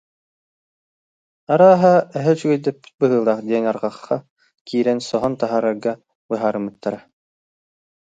Арааһа, эһэ үчүгэйдэппит быһыылаах диэн арҕахха киирэн соһон таһаарарга быһаарыммыттара